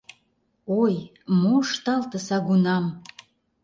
Ой, мо ышталте сагунам?